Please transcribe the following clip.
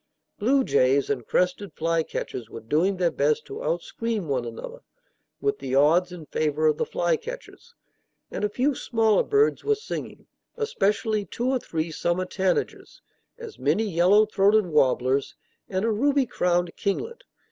Blue jays and crested flycatchers were doing their best to outscream one another, with the odds in favor of the flycatchers, and a few smaller birds were singing, especially two or three summer tanagers, as many yellow throated warblers, and a ruby crowned kinglet.